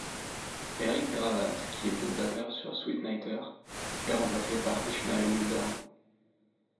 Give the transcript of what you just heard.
Eric Gravatt, qui était le batteur sur Sweetnighter, est remplacé par Ishmael Wilburn.